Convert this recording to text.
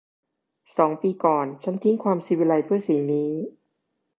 สองปีก่อน ฉันทิ้งความศิวิไลซ์เพื่อสิ่งนี้